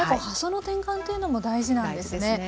発想の転換というのも大事なんですね。